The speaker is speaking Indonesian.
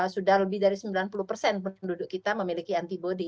sudah lebih dari sembilan puluh persen penduduk kita memiliki antibody